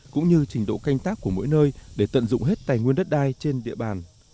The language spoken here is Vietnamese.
cũng như trình độ canh tác của mỗi nơi để tận dụng hết tài nguyên đất đai trên địa bàn